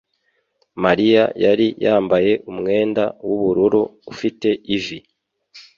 Mariya yari yambaye umwenda w'ubururu ufite ivi.